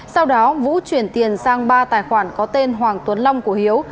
sau đó vũ chuyển tiền sang ba tài khoản có tên hoàng tuấn long của hiếu